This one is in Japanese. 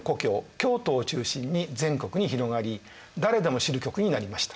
京都を中心に全国に広がり誰でも知る曲になりました。